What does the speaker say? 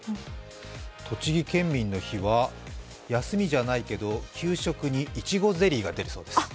栃木県民の日は休みじゃないけど、給食にいちごゼリーが出るそうです。